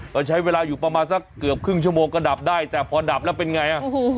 ก็ใช้เวลาอยู่ประมาณสักเกือบครึ่งชั่วโมงก็ดับได้แต่พอดับแล้วเป็นไง